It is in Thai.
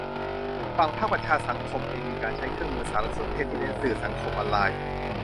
ฝั่งภาคประชาสังคมเองมีการใช้เครื่องมือสารสนเทศที่เน้นสื่อสังคมออนไลน์